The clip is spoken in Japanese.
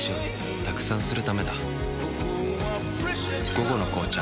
「午後の紅茶」